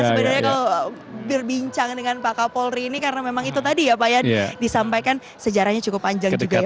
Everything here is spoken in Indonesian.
sebenarnya kalau berbincang dengan pak kapolri ini karena memang itu tadi ya pak ya disampaikan sejarahnya cukup panjang juga ya